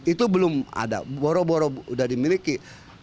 itu belum ada boro boro sudah dimiliki